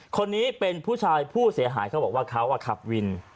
คนนี้เป็นผู้ชายผู้เสียหายเขาบอกว่าเขาขับวิน